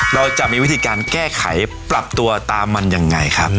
เราจะมีวิธีการแก้ไขปรับตัวตามมันยังไงครับ